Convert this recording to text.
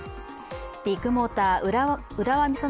ビッグモーター浦和美園